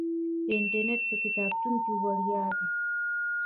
انټرنیټ په کتابتون کې وړیا دی.